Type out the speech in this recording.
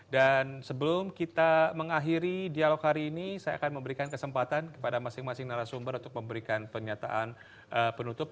dan sebelum kita mengakhiri dialog hari ini saya akan memberikan kesempatan kepada masing masing narasumber untuk memberikan pernyataan penutup